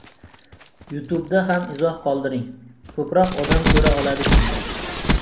YouTube’da ham izoh qoldiring, ko‘proq odam ko‘ra oladi shunda.